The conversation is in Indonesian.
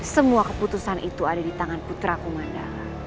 semua keputusan itu ada di tangan putraku manda